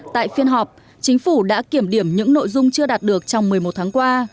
tại phiên họp chính phủ đã kiểm điểm những nội dung chưa đạt được trong một mươi một tháng qua